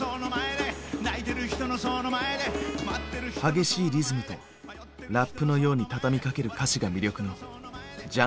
激しいリズムとラップのように畳みかける歌詞が魅力の「ＪＵＮＫＬＡＮＤ」。